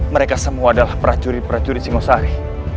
mereka semua adalah prajurit prajurit singosari